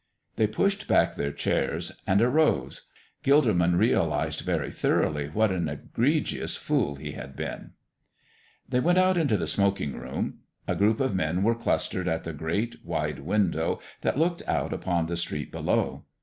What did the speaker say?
They pushed back their chairs and arose. Gilderman realized very thoroughly what an egregious fool he had been. They went out into the smoking room. A group of men were clustered at the great, wide window that looked out upon the street below.